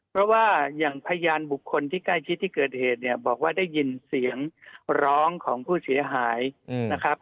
เพราะว่าอย่างพยานบุคคลที่ใกล้ชิดที่เกิดเหตุเนี่ยบอกว่าได้ยินเสียงร้องของผู้เสียหายนะครับ